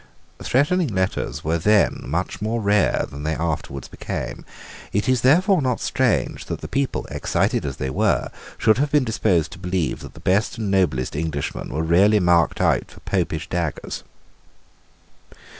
Threatening letters were then much more rare than they afterwards became. It is therefore not strange that the people, excited as they were, should have been disposed to believe that the best and noblest Englishmen were really marked out for Popish daggers.